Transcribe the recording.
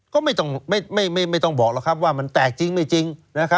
ก็ไม่ต้องบอกว่ามันแตกจริงไม่จริง